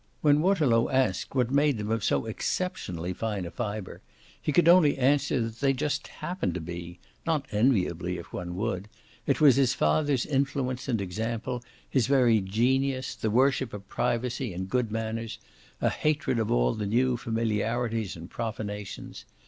When Waterlow asked what made them of so exceptionally fine a fibre he could only answer that they just happened to be not enviably, if one would; it was his father's influence and example, his very genius, the worship of privacy and good manners, a hatred of all the new familiarities and profanations.